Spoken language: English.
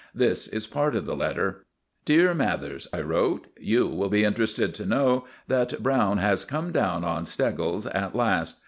This is part of the letter: "Dear Mathers," I wrote, "you will be interested to know that Browne has come down on Steggles at last.